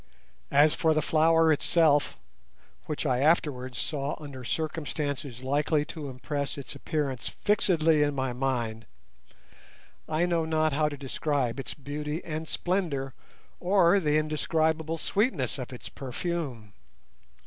As for the flower itself (which I afterwards saw under circumstances likely to impress its appearance fixedly in my mind), I know not how to describe its beauty and splendour, or the indescribable sweetness of its perfume.